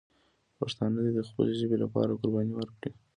پښتانه دې د خپلې ژبې لپاره قرباني ورکړي.